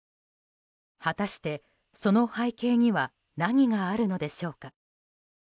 果たして、その背景には何があるのでしょうか。